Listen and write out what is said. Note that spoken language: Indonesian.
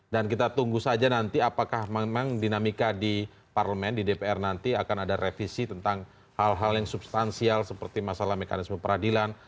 dan kita tunggu saja nanti apakah memang dinamika di parlement di dpr nanti akan ada revisi tentang hal hal yang substansial seperti masalah mekanisme peradilan